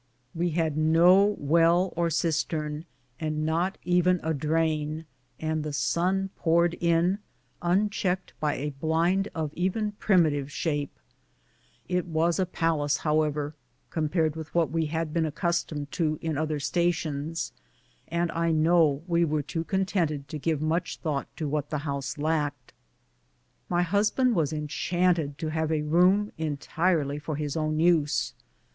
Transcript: We had no well or cistern, and not even a drain, while tlie sun poured in, unchecked by a blind of even primi tive sliape. It was a palace, however, compared with what we had been accustomed to in other stations, and I know we were too contented to give much thought to what the house lacked. My husband was enchanted to have a room entirely for his own use.